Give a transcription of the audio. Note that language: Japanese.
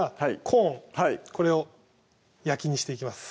コーンこれを焼きにしていきます